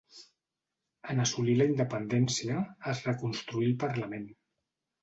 En assolir la independència, es reconstituí el parlament.